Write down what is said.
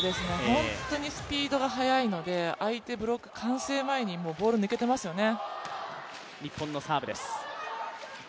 本当にスピードが速いので相手ブロック、完成前にボール抜けてますよね。